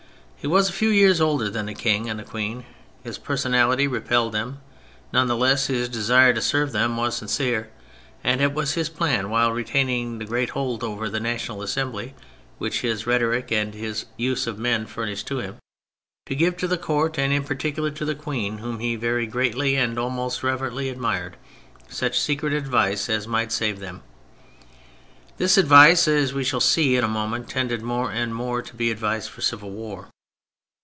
He was a few years older than the King and Queen : his personality repelled them ; none the less his desire to serve them was sincere; and it was his plan, while retaining the great hold over the National Assembly which his rhetoric and his use of men furnished him, to give to the Court and in particular to the Queen, whom he very greatly and almost reverently admired, such secret advice as might save them. This advice, as we shall see in a moment, tended more and more to be an advice for civil war.